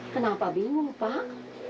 kenapa bingung pak